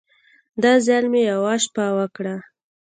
دا ځل مې يوه شپه وکړه.